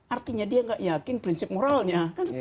artinya dia gak yakin prinsip moralnya